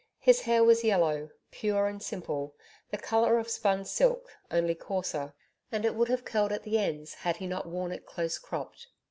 His hair was yellow, pure and simple the color of spun silk, only coarser, and it would have curled at the ends had he not worn it close cropped.